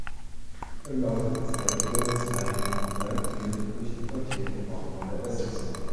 Im Laufe der Zeit wurde das Leinen weitgehend durch importierte Baumwolle ersetzt.